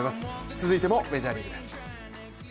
続いてもメジャーリーグです。